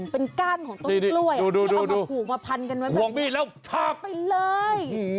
เป็นก้านของต้นกล้วยที่เอาผูกมาพันกันไปเลย